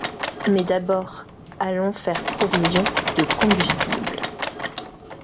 Mais d’abord, allons faire provision de combustible